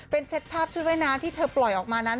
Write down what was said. เป็นเซตภาพชุดว่ายน้ำที่เธอปล่อยออกมานั้น